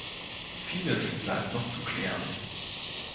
Vieles bleibt noch zu klären.